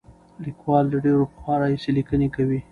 لیکوال له ډېر پخوا راهیسې لیکنې کوي.